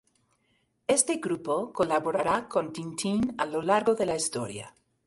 Este grupo colaborará con Tintín a lo largo de la historia.